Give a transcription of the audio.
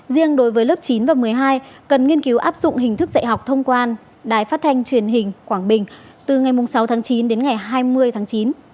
riêng đối với lớp chín và một mươi hai cần nghiên cứu áp dụng hình thức dạy học thông quan đài phát thanh truyền hình quảng bình từ ngày sáu tháng chín đến ngày hai mươi tháng chín